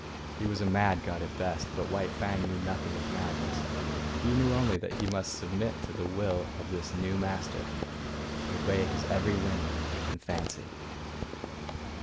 He was a mad god at best, but White Fang knew nothing of madness; he knew only that he must submit to the will of this new master, obey his every whim and fancy.